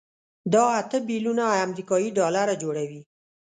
دا اته بيلیونه امریکایي ډالره جوړوي.